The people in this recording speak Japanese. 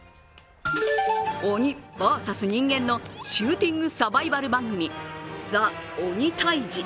鬼ｖｓ人間のシューティングサバイバル番組「ＴＨＥ鬼タイジ」。